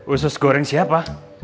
usus goreng siapa